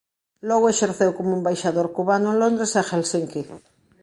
Logo exerceu como embaixador cubano en Londres e Helsinqui.